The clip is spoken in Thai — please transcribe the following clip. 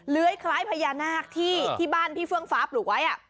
คล้ายพญานาคที่บ้านพี่เฟื่องฟ้าปลูกไว้